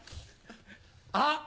あっ！